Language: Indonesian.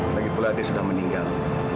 lagipula dia sudah meninggal